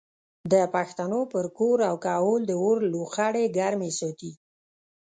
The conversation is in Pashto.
د پښتنو پر کور او کهول د اور لوخړې ګرمې ساتي.